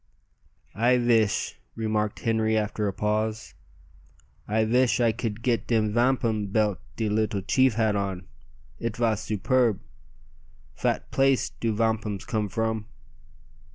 "I vish," remarked Henri after a pause "I vish I could git de vampum belt de leetle chief had on. It vas superb. Fat place do vampums come from?"